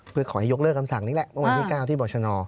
เพื่อขอยกเลิกคำสั่งนี้แหละเมื่อวันที่๙ที่บรชน